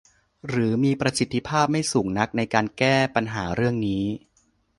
หรือมีประสิทธิภาพไม่สูงนักในการแก้ปัญหาเรื่องนี้